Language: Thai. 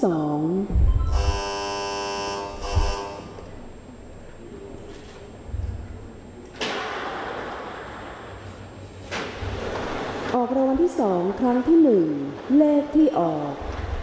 ออกรวมที่สองครั้งที่หนึ่งเลขที่ออก